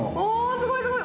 すごいすごい！